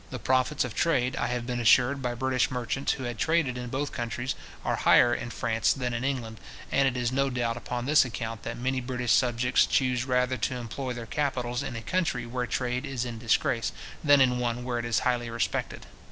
The profits of trade, I have been assured by British merchants who had traded in both countries, are higher in France than in England; and it is no doubt upon this account, that many British subjects chuse rather to employ their capitals in a country where trade is in disgrace, than in one where it is highly respected.